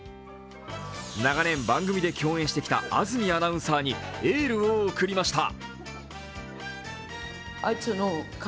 長年、番組で共演してきた安住アナウンサーにエールを送りました。